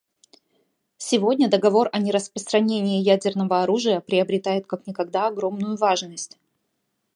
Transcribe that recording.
Сегодня Договор о нераспространении ядерного оружия приобретает как никогда огромную важность.